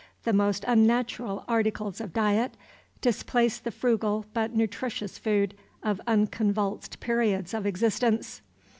The most unnatural articles of diet displace the frugal but nutritious food of unconvulsed periods of existence.